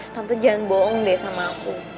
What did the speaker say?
tante jangan bohong deh sama aku